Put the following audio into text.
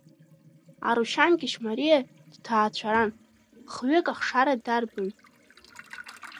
Арушьан Қьышьмариа дҭаацәаран, хҩык ахшара дарбын.